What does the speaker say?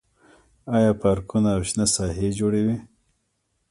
آیا پارکونه او شنه ساحې جوړوي؟